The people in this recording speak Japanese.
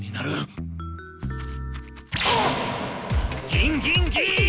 ギンギンギン！